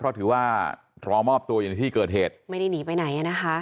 เพราะถือว่ารอมอบตัวอยู่ในที่เกิดเหตุไม่ได้หนีไปไหนอ่ะนะคะ